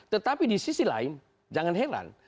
tetapi di sisi lain jangan heran